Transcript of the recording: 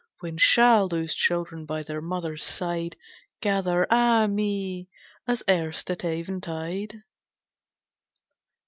When shall those children by their mother's side Gather, ah me! as erst at eventide?